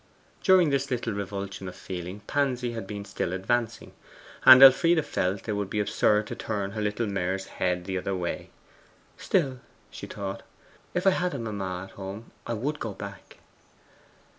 During this little revulsion of feeling Pansy had been still advancing, and Elfride felt it would be absurd to turn her little mare's head the other way. 'Still,' she thought, 'if I had a mamma at home I WOULD go back!